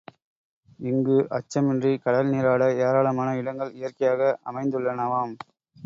இங்கு, அச்சமின்றி கடல் நீராட ஏராளமான இடங்கள் இயற்கையாக அமைந்துள்ளனவாம்.